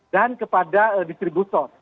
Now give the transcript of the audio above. dan kepada distributor